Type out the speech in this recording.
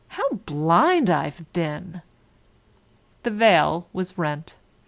How blind I've been!" The veil was rent.